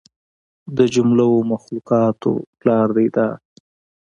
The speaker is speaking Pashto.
د جمله و مخلوقاتو پلار دى دا.